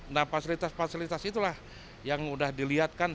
nah fasilitas fasilitas itulah yang sudah dilihat kan